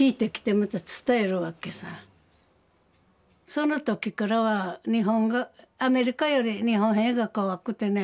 その時からはアメリカより日本兵が怖くてね。